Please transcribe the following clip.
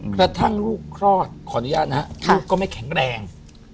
กระทั่งลูกคลอดขออนุญาตนะฮะลูกก็ไม่แข็งแรง